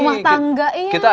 rumah tangga iya